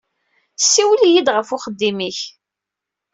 Siwel-iyi-d ɣef uxeddim-ik.